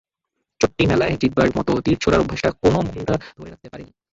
চোট্টি মেলায় জিতবার মতো তীর ছোড়ার অভ্যাসটা কোনো মুন্ডা ধরে রাখতে পারেনি।